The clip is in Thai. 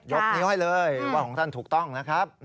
นิ้วให้เลยว่าของท่านถูกต้องนะครับ